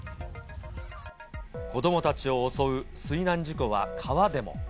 子どもたちを襲う水難事故は川でも。